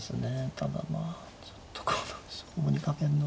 ただまあちょっとこの勝負に懸けんのはちょっと。